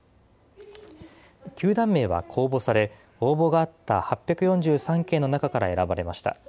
球団名は公募され、応募があった８４３件の中から選ばれました。